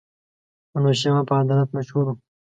انوشېروان په عدالت مشهور وو.